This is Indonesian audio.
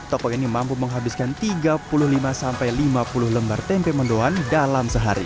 toko ini mampu menghabiskan tiga puluh lima sampai lima puluh lembar tempe mendoan dalam sehari